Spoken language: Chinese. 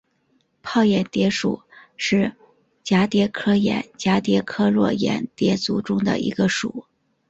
泡眼蝶属是蛱蝶科眼蝶亚科络眼蝶族中的一个属。